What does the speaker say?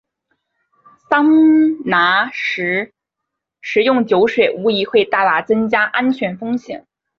桑拿时食用酒水无疑会大大增加安全风险。